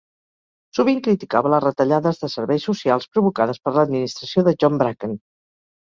Sovint criticava les retallades de serveis socials provocades per l'administració de John Bracken.